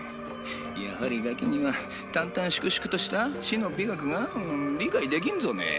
やはりガキには淡々粛々とした死の美学が理解できんぞね